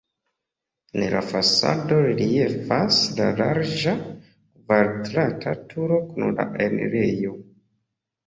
En la fasado reliefas la larĝa kvadrata turo kun la enirejo.